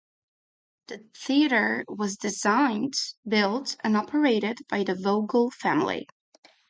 The theater was designed, built, and operated by the Vogel family.